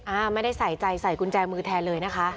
อ่าไม่ได้ใส่ใจใส่กุญแจมือแทนเลยนะคะ